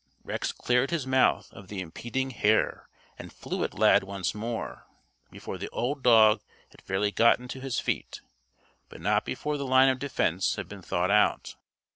Rex cleared his mouth of the impeding hair and flew at Lad once more before the old dog had fairly gotten to his feet, but not before the line of defense had been thought out.